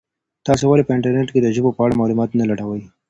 تاسي ولي په انټرنیټ کي د ژبو په اړه معلومات نه لټوئ؟